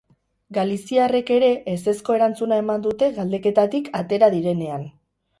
Galiziarrek ere ezezko erantzuna eman dute galdeketatik atera direnean.